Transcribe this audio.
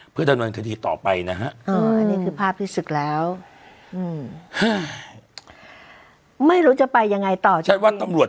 เพื่อจะหน่อยถึงความจนหิงต่อไปนะฮะอ๋ออันนี้คือภาพฤศึกแล้วหึไม่รู้จะไปยังไงต่อ